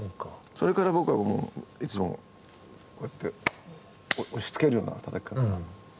それから僕はもういつもこうやって押しつけるようなたたき方に。